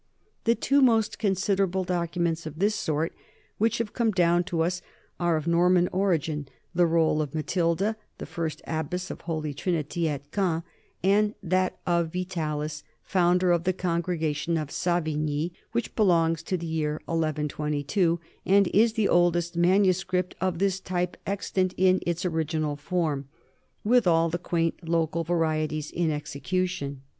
The two most considerable documents of this sort which have come down to us are of Norman origin, the roll of Matilda, the first abbess of Holy Trinity at Caen, and that of Vitalis, founder of the Congregation of Savigny, which belongs to the year 1122 and is the oldest manu script of this type extant in its original form, with all the quaint local varieties in execution.